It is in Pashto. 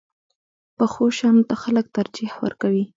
پخو شیانو ته خلک ترجیح ورکوي